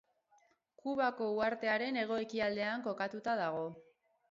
Kubako uhartearen hego-ekialdean kokatuta dago.